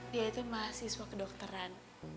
dia itu mahasiswa kedokteran